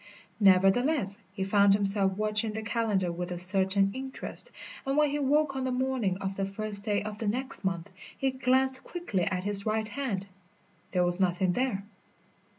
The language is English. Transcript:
Nevertheless, he found himself watching the calendar with a certain interest, and when he woke on the morning of the first day of the next month he glanced quickly at his right hand. There was nothing there.